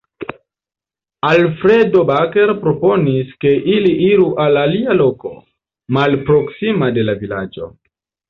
Alfredo Baker proponis ke ili iru al alia loko, malproksima de la vilaĝo.